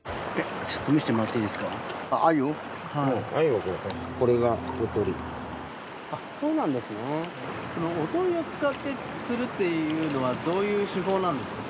おとりを使って釣るっていうのはどういう手法なんですか？